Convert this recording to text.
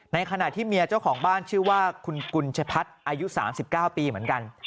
ในขณะที่เมียเจ้าของบ้านชื่อว่าคุณกุญชพัฒน์อายุ๓๙ปีเหมือนกัน